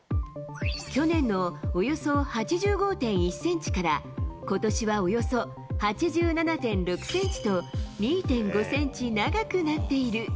去年のおよそ８５．１センチから、ことしはおよそ８７．６センチと、２．５センチ長くなっている。